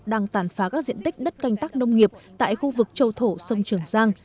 đang tàn phá các diện tích đất canh tác nông nghiệp tại khu vực châu thổ sông trường giang